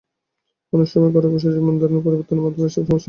অনেক সময় ঘরে বসেই কিংবা জীবনধারা পরিবর্তনের মাধ্যমে এসব সমস্যার সমাধান সম্ভব।